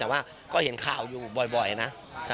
แต่ว่าก็เห็นข่าวอยู่บ่อยนะ